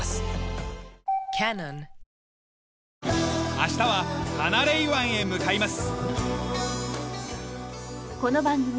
明日はハナレイ湾へ向かいます。